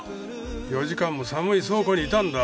４時間も寒い倉庫にいたんだ。